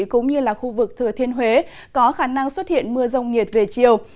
cũng như là khu vực thừa thiên huế có khả năng xuất hiện mưa rông nhiệt về chiều